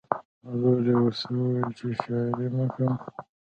ورور یې ورته وویل چې شاعري مه کوه